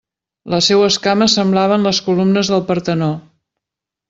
Les seues cames semblaven les columnes del Partenó.